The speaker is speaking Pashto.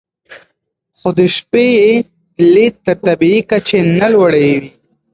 خو د شپې لید تر طبیعي کچې نه لوړوي.